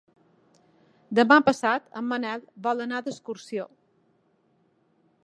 Demà passat en Manel vol anar d'excursió.